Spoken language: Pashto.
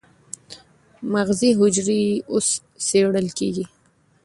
مغزي حجرې اوس څېړل کېږي.